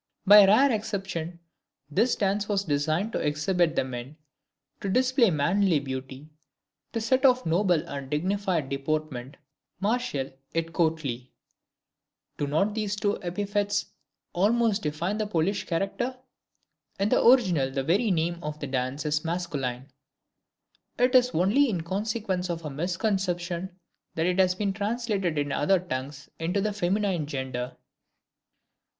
By a rare exception this dance was designed to exhibit the men, to display manly beauty, to set off noble and dignified deportment, martial yet courtly bearing. "Martial yet courtly:" do not these two epithets almost define the Polish character? In the original the very name of the dance is masculine; it is only in consequence of a misconception that it has been translated in other tongues into the feminine gender.